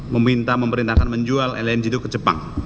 meminta pemerintahkan menjual lng itu ke jepang